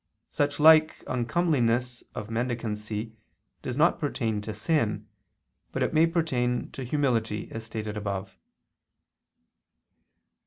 Such like uncomeliness of mendicancy does not pertain to sin, but it may pertain to humility, as stated above.